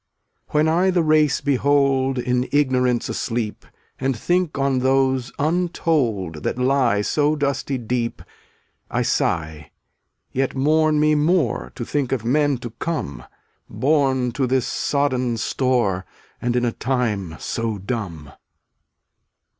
243 When I the race behold In ignorance asleep, And think on those untold That lie so dusty deep, I sigh, yet mourn me more To think of men to come — Born to this sodden store, And in a time so dumb.